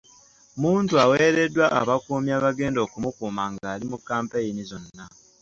Muntu aweereddwa abakuumi abagenda okumukuuma ng'ali mu kkampeyini zonna.